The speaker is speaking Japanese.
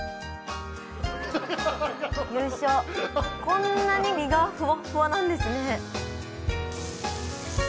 こんなに身がふわっふわなんですね。